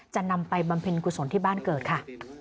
นำไปบำเพ็ญกุศลที่บ้านเกิดค่ะ